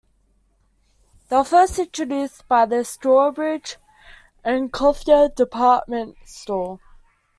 They were first introduced by the Strawbridge and Clothier Department Store.